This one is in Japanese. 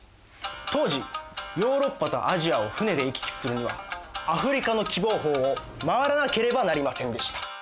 当時ヨーロッパとアジアを船で行き来するにはアフリカの喜望峰を回らなければなりませんでした。